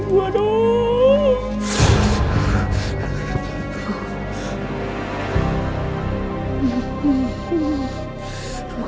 tidak tidak tidak